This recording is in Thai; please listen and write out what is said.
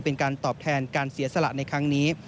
เป็นการตอบแทนการเสียสละในครั้งนี้